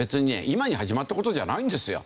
今に始まった事じゃないんですよ。